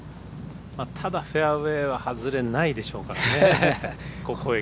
ただ、フェアウエーは外れないでしょうからね